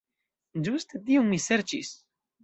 Ĝuste tion mi serĉis.